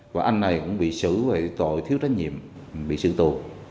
và anh này cũng bị xử về tội thiếu trách nhiệm bị sự tù